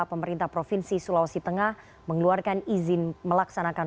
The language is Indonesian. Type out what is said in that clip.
pemerintah provinsi sulawesi tengah mengeluarkan izin melaksanakan